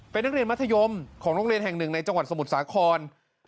เป็นนักเรียนมัธยมของโรงเรียนแห่งหนึ่งในจังหวัดสมุทรสาคร